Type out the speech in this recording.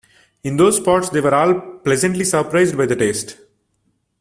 In those spots, they were all pleasantly surprised by the taste.